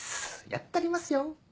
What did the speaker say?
やったりますよ！